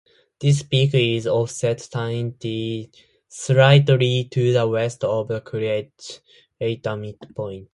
This peak is offset slightly to the west of the crater midpoint.